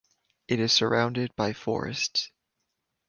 It is surrounded by forests.